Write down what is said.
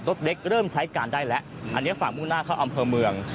รถเล็กเริ่มใช้การได้แล้วอันนี้ฝั่งมุ่งหน้าเข้าอำเภอเมือง